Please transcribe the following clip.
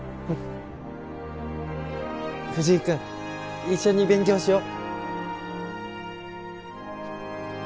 藤井君一緒に勉強しよう